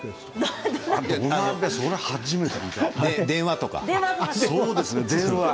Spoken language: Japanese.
電話とか？